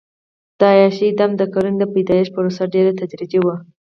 د عیاشۍ دام د کرنې د پیدایښت پروسه ډېره تدریجي وه.